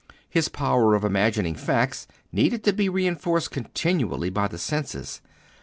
His power of imagining facts needed to be reinforced continually by the senses.